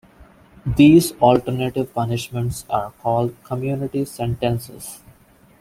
These alternative punishments are called "community sentences".